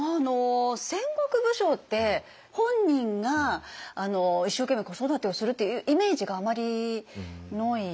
戦国武将って本人が一生懸命子育てをするっていうイメージがあまりない。